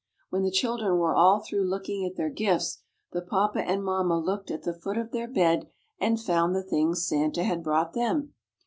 When the children were all through looking at their gifts the papa and mamma looked at the foot of their bed and found the things Santa had brought them.